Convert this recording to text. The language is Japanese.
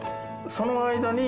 その間に。